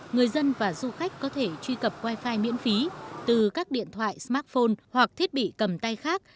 người dân và du khách có thể truy cập wifi miễn phí từ các điện thoại smartphone hoặc thiết bị cầm tay khác